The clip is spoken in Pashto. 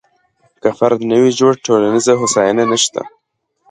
که فرد نه وي جوړ، ټولنیزه هوساینه نشته.